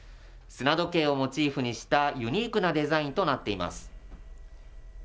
砂時計をモチーフにしたユニークなデザインとなっています。